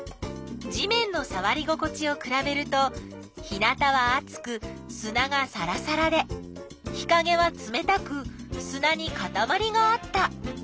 地面のさわり心地をくらべると日なたはあつくすながさらさらで日かげはつめたくすなにかたまりがあった。